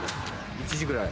１時ぐらい？